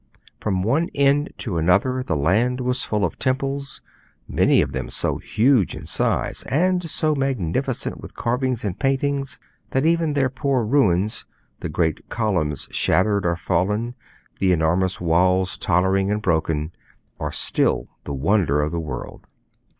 From one end to another the land was full of temples, many of them so huge in size, and so magnificent with carvings and paintings, that even their poor ruins the great columns shattered or fallen, the enormous walls tottering and broken are still the wonder of the world.